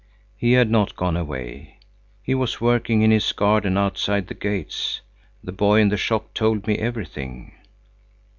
"He had not gone away. He was working in his garden outside the gates. The boy in the shop told me everything."